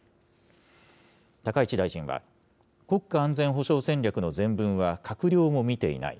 高市大臣は、国家安全保障戦略の全文は、閣僚も見ていない。